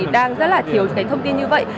đang rất là thiếu thông tin như vậy